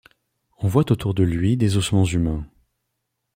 On voit autour de lui des ossements humains ;.